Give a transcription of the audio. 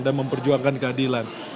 dan memperjuangkan keadilan